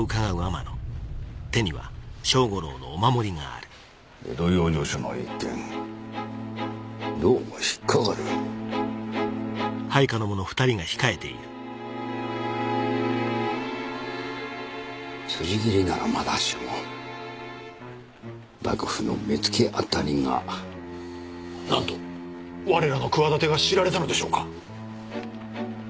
・うん江戸養生所の一件どうも引っ掛かるつじ斬りならまだしも幕府の目付あたりがなんとわれらの企てが知られたのでしょうか？